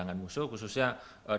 jangan lupa untuk nonton kran ini